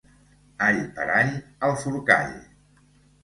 All per all... al Forcall.